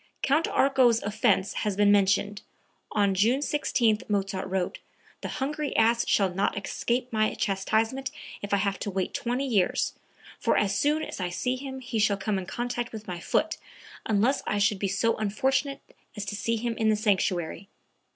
Count Arco's offence has been mentioned. On June 16 Mozart wrote: "The hungry ass shall not escape my chastisement if I have to wait twenty years; for as soon as I see him he shall come in contact with my foot, unless I should be so unfortunate as to see him in the sanctuary."